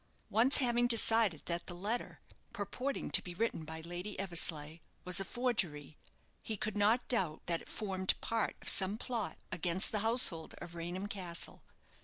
Once having decided that the letter, purporting to be written by Lady Eversleigh, was a forgery, he could not doubt that it formed part of some plot against the household of Raynham Castle.